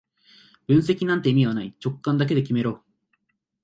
分析なんて意味はない、直感だけで決めろ